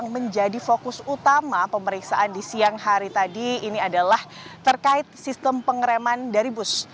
yang menjadi fokus utama pemeriksaan di siang hari tadi ini adalah terkait sistem pengereman dari bus